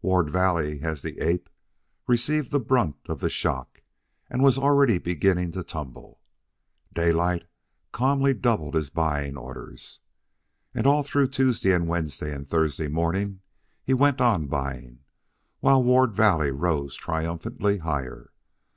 Ward Valley, as the ape, received the brunt of the shock, and was already beginning to tumble. Daylight calmly doubled his buying orders. And all through Tuesday and Wednesday, and Thursday morning, he went on buying, while Ward Valley rose triumphantly higher.